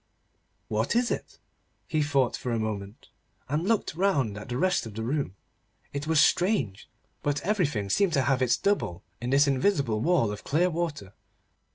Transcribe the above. What is it? He thought for a moment, and looked round at the rest of the room. It was strange, but everything seemed to have its double in this invisible wall of clear water.